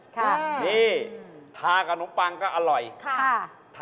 ค่ะนี่ทากับนมปังก็อร่อยค่ะ